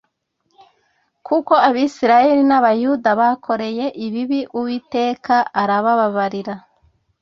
Kuko Abisirayeli n Abayuda bakoreye ibibi uwiteka arababarira